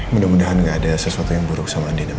mudah mudahan ga ada sesuatu yang buruk sama andien amin